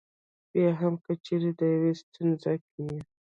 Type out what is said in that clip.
بیا هم که چېرې په یوې ستونزه کې یې.